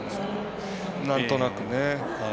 なんとなくね。